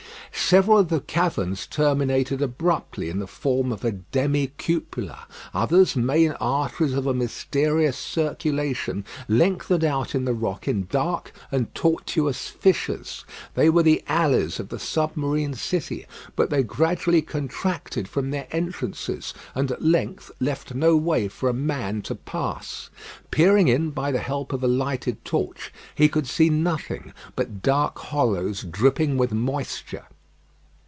Several of the caverns terminated abruptly in the form of a demi cupola. Others, main arteries of a mysterious circulation, lengthened out in the rock in dark and tortuous fissures. They were the alleys of the submarine city; but they gradually contracted from their entrances, and at length left no way for a man to pass. Peering in by the help of a lighted torch, he could see nothing but dark hollows dripping with moisture.